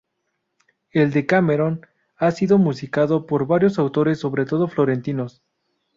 El "Decamerón" ha sido musicado por varios autores, sobre todo florentinos.